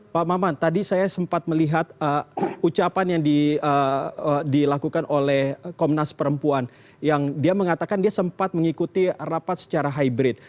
pak maman tadi saya sempat melihat ucapan yang dilakukan oleh komnas perempuan yang dia mengatakan dia sempat mengikuti rapat secara hybrid